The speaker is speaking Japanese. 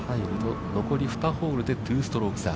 残り２ホールで２ストローク差。